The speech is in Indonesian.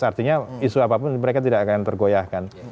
artinya isu apapun mereka tidak akan tergoyahkan